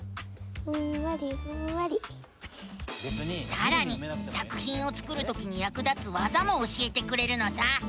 さらに作ひんを作るときにやく立つわざも教えてくれるのさ！